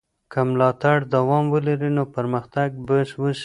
که ملاتړ دوام ولري نو پرمختګ به وسي.